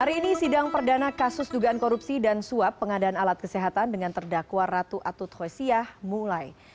hari ini sidang perdana kasus dugaan korupsi dan suap pengadaan alat kesehatan dengan terdakwa ratu atut khoysiah mulai